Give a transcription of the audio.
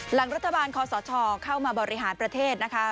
หลังรัฐบาลคอสชเข้ามาบริหารประเทศนะคะ